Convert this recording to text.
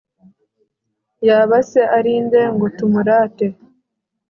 yaba se ari nde, ngo tumurate